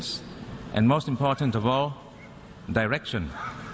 และสำที่สำคัญความตามห่วง